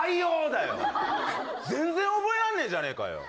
だよ全然覚えらんねえじゃねえかよ